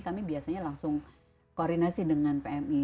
kami biasanya langsung koordinasi dengan pmi